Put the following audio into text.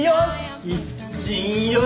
キッチンよし！